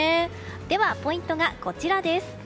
では、ポイントはこちらです。